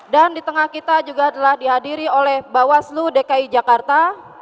dan di tengah kita juga telah dihadiri oleh bawaslu dki jakarta